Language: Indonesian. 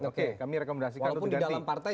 oke walaupun di dalam partai